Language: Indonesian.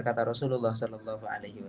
kata rasulullah saw